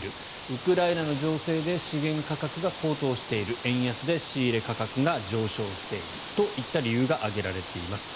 ウクライナの情勢で資源価格が高騰している円安で仕入れ価格が上昇しているといった理由が挙げられています。